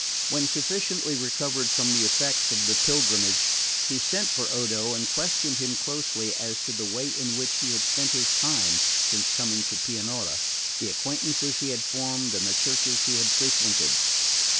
When sufficiently recovered from the effects of the pilgrimage, he sent for Odo and questioned him closely as to the way in which he had spent his time since coming to Pianura, the acquaintances he had formed and the churches he had frequented.